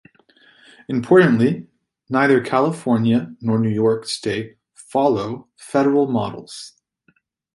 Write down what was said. Importantly, neither California nor New York state follow federal models.